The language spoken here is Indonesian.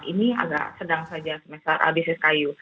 ini agak sedang saja semester bisnis kayu